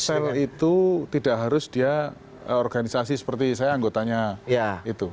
sel itu tidak harus dia organisasi seperti saya anggotanya itu